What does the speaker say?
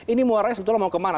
ini muaranya sebetulnya mau kemana